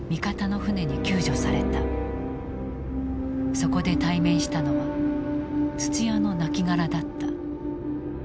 そこで対面したのは土屋のなきがらだった。